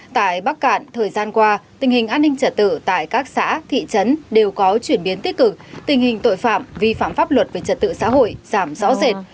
tại bắc cạn thời gian qua tình hình an ninh trả tự tại các xã thị trấn đều có chuyển biến tích cực tình hình tội phạm vi phạm pháp luật về trật tự xã hội giảm rõ rệt